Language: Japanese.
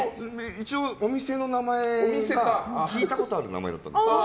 一応、お店の名前が聞いたことある名前だったの。